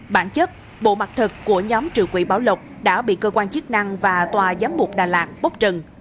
bản chất bộ mặt thật của nhóm trưởng quỹ bảo lộc đã bị cơ quan chức năng và tòa giám mục đà lạt bốc trần